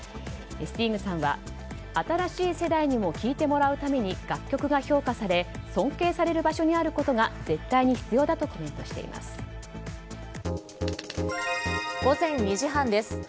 スティングさんは新しい世代にも聴いてもらうために楽曲が評価され尊敬される場所にあることが絶対に必要だとコメントしています。